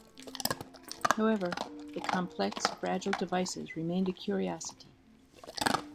However, the complex, fragile devices remained a curiosity.